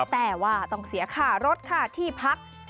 แต่ว่าต้องเสียค่ารถค่าที่พัก